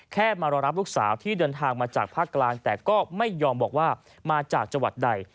แค่มารอรับลูกสาวที่เดินทางมาจากภาคกลางแต่ก็ไม่ยอมบอกว่ามาจากจังหวัดใด